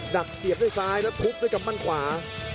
ักเสียบด้วยซ้ายแล้วทุบด้วยกำมั่นขวา